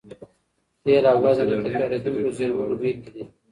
تېل او ګاز د نه تکرارېدونکو زېرمونو بېلګې دي.